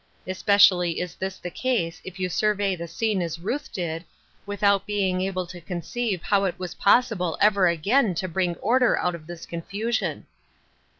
Especially is this the case if you survey the scene as Ruth did, with out being able to conceive how it was possible ever again to bring order out of this confusion.